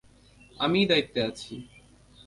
আমিই দায়িত্বে আছি।